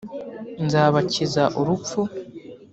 nzabakiza urupfu.